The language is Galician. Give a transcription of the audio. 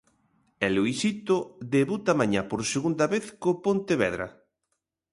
E Luisito debuta mañá por segunda vez co Pontevedra.